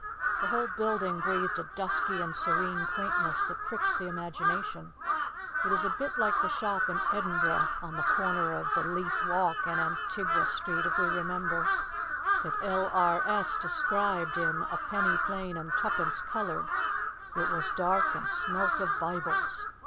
The whole building breathed a dusky and serene quaintness that pricks the imagination. It is a bit like the shop in Edinburgh (on the corner of the Leith Walk and Antigua Street, if we remember) that R.L.S. described in "A Penny Plain and Twopence Coloured" "it was dark and smelt of Bibles."